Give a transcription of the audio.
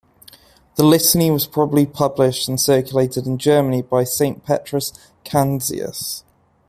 The litany was probably published and circulated in Germany by Saint Petrus Canisius.